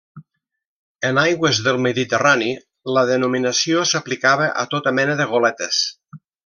En aigües del Mediterrani la denominació s'aplicava a tota mena de goletes.